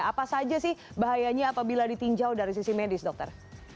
apa saja sih bahayanya apabila ditinjau dari sisi medis dokter